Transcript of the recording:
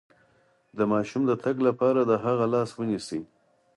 د ماشوم د تګ لپاره د هغه لاس ونیسئ